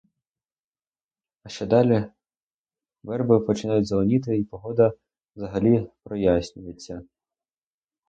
А ще далі — верби починають зеленіти і погода взагалі прояснюється.